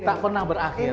tidak pernah berakhir